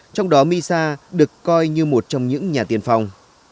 trong đó misa được coi như một trong những nhà tiên phong